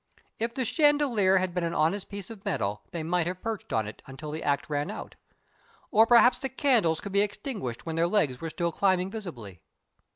If the chandelier had been an honest piece of metal they might have perched on it until the act ran out. Or perhaps the candles could be extinguished when their legs were still climbing visibly.